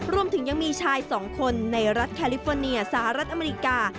รวมถึงยังมีชาย๒คนในรัฐแคลิฟอร์เนียสหรัฐอเมริกา